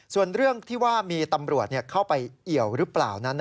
ส่วนเรื่องที่ว่ามีตำรวจเข้าไปเอี่ยวหรือเปล่านั้น